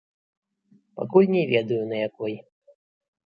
Пакуль не ведаю, на якой.